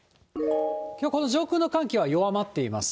きょう、この上空の寒気は弱まっています。